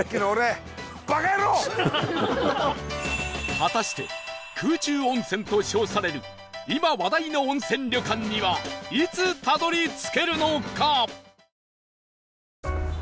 果たして空中温泉と称される今話題の温泉旅館にはいつたどり着けるのか？